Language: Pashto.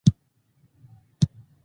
سیندونه د افغانستان د زرغونتیا نښه ده.